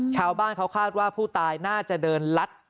ชาวบ้านเขาคาดว่าผู้ตายน่าจะเดินลัด